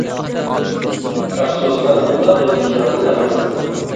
ئەپسۇس، مەن بۇنداق يازغۇچىلاردىن ئەمەس.